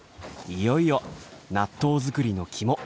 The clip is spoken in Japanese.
いよいよ納豆作りの肝。